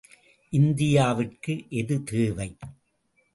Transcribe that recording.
இந்தியாவிற்கு எது தேவை?